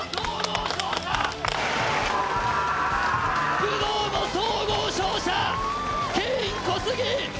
不動の総合勝者、ケイン・コスギ。